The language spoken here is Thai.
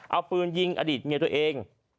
เอาปืนยิงอดีตเมียตัวเอง